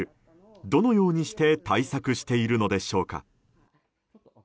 どのようにして対策しているのでしょうか。